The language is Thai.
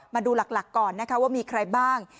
มาดูหลักก่อนนะคะว่ามีใครบ้าง